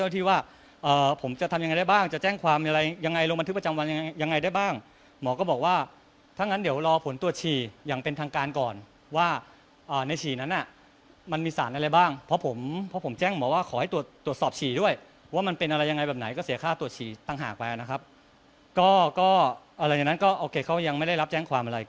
มีความรู้สึกว่ามีความรู้สึกว่ามีความรู้สึกว่ามีความรู้สึกว่ามีความรู้สึกว่ามีความรู้สึกว่ามีความรู้สึกว่ามีความรู้สึกว่ามีความรู้สึกว่ามีความรู้สึกว่ามีความรู้สึกว่ามีความรู้สึกว่ามีความรู้สึกว่ามีความรู้สึกว่ามีความรู้สึกว่ามีความรู้สึกว